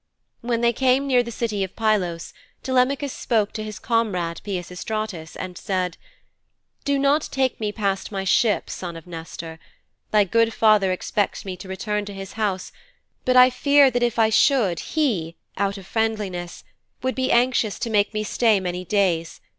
When they came near the city of Pylos, Telemachus spoke to his comrade, Peisistratus, and said: 'Do not take me past my ship, son of Nestor. Thy good father expects me to return to his house, but I fear that if I should, he, out of friendliness, would be anxious to make me stay many days.